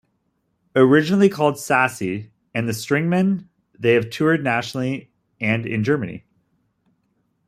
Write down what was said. Originally called Sassy and the Stringman they have toured nationally and in Germany.